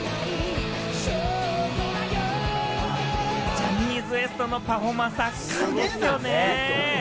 ジャニーズＷＥＳＴのパフォーマンス、圧巻ですね！